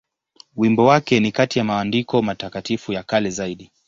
Wimbo wake ni kati ya maandiko matakatifu ya kale zaidi.